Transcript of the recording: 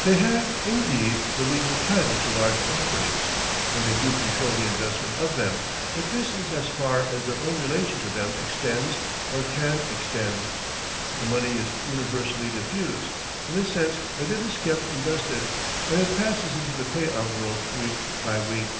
They have, indeed, the legal title to large properties, and they do control the investment of them, but that is as far as their own relation to them extends or can extend. The money is universally diffused, in the sense that it is kept invested, and it passes into the pay envelope week by week.